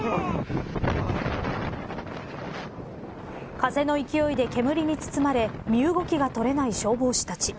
風の勢いで煙に包まれ身動きが取れない消防士たち。